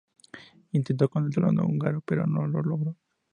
Intentó con el trono húngaro pero no lo logró.